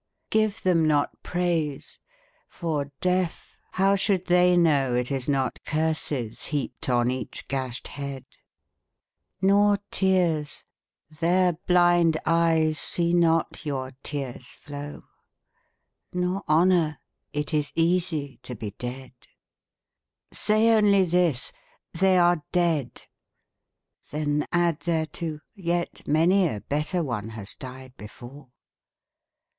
Give them not praise. For, deaf, how should they know It is not curses heaped on each gashed head ? Nor tears. Their blind eyes see not your tears flow. Nor honour. It is easy to be dead. Say only this, " They are dead." Then add thereto, " Yet many a better one has died before."